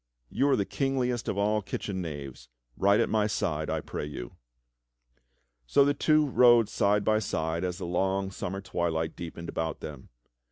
You are the kingliest of all kitchen knaves. Ride at my side, I pray you." So the tw^o rode side by side as the long summer twdlight deepened about them.